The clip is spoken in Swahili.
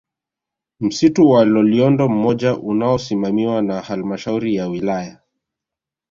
Msitu wa Loliondo moja unaosimamiwa na Halmashauri ya Wilaya